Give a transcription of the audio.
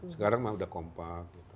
sekarang mah sudah kompak